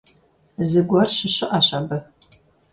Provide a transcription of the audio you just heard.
Зыгуэр щыщыӀэщ абы…